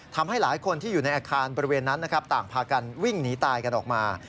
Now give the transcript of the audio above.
ทำให้หลายคนที่อยู่ในอาคารบริเวณนั้นนะครับต่างพากันวิ่งหนีตายกันออกมา